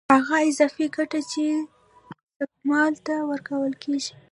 هغه اضافي ګټه چې ځمکوال ته ورکول کېږي